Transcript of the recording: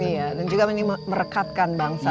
iya dan juga merekatkan bangsa